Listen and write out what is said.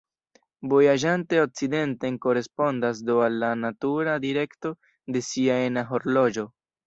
Vojaĝante okcidenten korespondas do al la natura direkto de sia ena horloĝo.